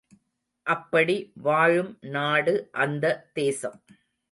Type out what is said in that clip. அப்படி வாழும் நாடு அந்த தேசம்.